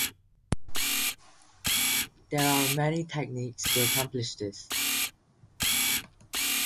There are many techniques to accomplish this.